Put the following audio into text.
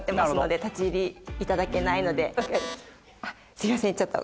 すみませんちょっと。